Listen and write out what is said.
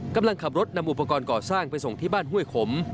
กำลังขับรถนำอุปกรณ์ก่อสร้างไปส่งที่บ้านห้วยขม